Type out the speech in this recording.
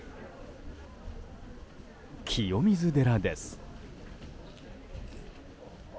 清水寺です。